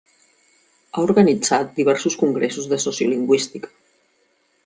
Ha organitzat diversos congressos de sociolingüística.